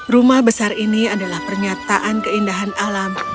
rumah besar ini adalah pernyataan keindahan alam